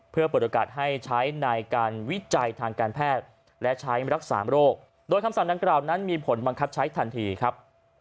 เพื่อเปิดโอกาสให้ใช้ในการวิจัยทางการแพทย์และใช้รักษาโรคโดยคำสั่งดังกล่าวนั้นมีผลบังคับใช้ทันทีครับ